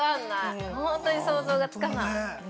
本当に想像がつかない。